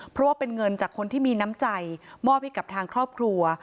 เพราะว่าเป็นเงินจากคนที่มีน้ำใจมอบให้กับทางครอบครัว